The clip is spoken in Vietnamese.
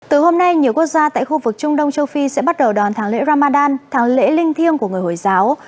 từ hôm nay nhiều quốc gia tại khu vực trung đông châu phi sẽ bắt đầu đoàn tháng lễ ramadan tháng lễ linh thiêng của người hồi giáo